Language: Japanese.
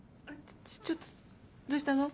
ちょっとどうしたの？